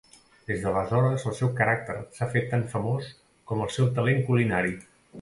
Des d'aleshores el seu caràcter s'ha fet tan famós com el seu talent culinari.